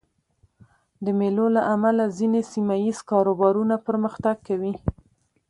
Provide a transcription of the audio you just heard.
د مېلو له امله ځيني سیمه ییز کاروبارونه پرمختګ کوي.